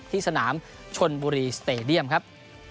ที่สนามชนบุรีสเตดียมครับ